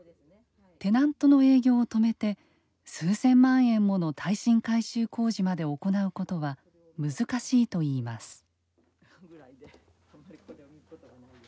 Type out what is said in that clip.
テナントの営業を止めて数千万円もの耐震改修工事まで行うことは難しいといいます。